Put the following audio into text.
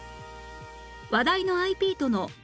話題の ＩＰ との月